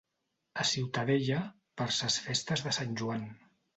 A Ciutadella per ses festes de sant Joan